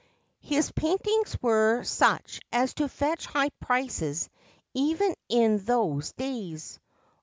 His paintings were such as to fetch high prices even in those days.